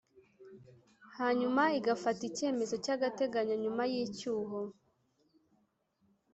hanyuma igafata icyemezo cy agateganyo nyuma y icyuho